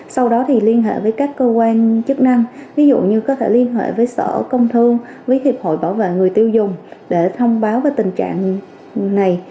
sau đó thì liên hệ với các cơ quan chức năng ví dụ như có thể liên hệ với sở công thương với hiệp hội bảo vệ người tiêu dùng để thông báo về tình trạng này